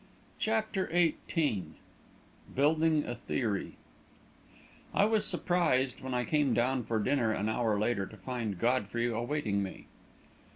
CHAPTER XVIII BUILDING A THEORY I was surprised, when I came down for dinner an hour later, to find Godfrey awaiting me.